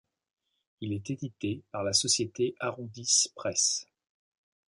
Il est édité par la société Arrondiss'Presse.